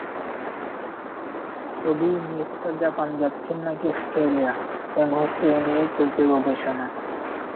তবে Iniesta Japan যাচ্ছেন নাকি অস্ট্রেলিয়া এই মুহূর্তে এ নিয়েই চলছে গবেষণা।